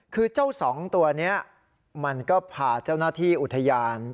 คือเจ้าสองตัวนี้มันก็พาเจ้าหน้าที่อุทยาน